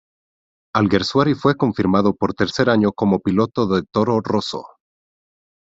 Alguersuari fue confirmado por tercer año como piloto de Toro Rosso.